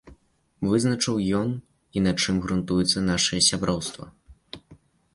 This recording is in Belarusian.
Вызначыў ён, і на чым грунтуецца нашае сяброўства.